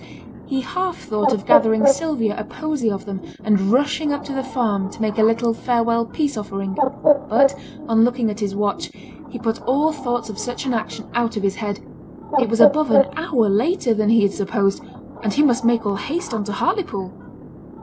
He half thought of gathering Sylvia a posy of them, and rushing up to the farm to make a little farewell peace offering. But on looking at his watch, he put all thoughts of such an action out of his head; it was above an hour later than he had supposed, and he must make all haste on to Hartlepool.